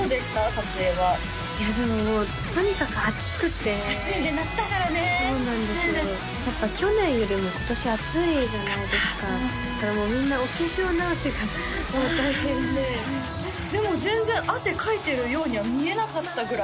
撮影はいやでももうとにかく暑くて暑いね夏だからねそうなんですよ去年よりも今年暑いじゃないですかだからもうみんなお化粧直しがもう大変ででも全然汗かいてるようには見えなかったぐらいよ